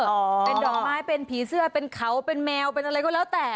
เป็นดอกไม้เป็นผีเสื้อเป็นเขาเป็นแมวเป็นอะไรก็แล้วแต่